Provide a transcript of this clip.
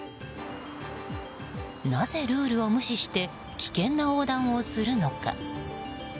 なぜ、ルールを無視して危険な横断をするのか。